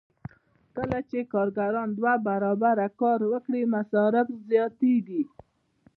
کله چې کارګران دوه برابره کار وکړي مصارف زیاتېږي